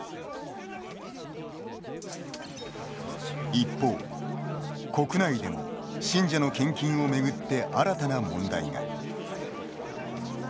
一方、国内でも信者の献金を巡って新たな問題が。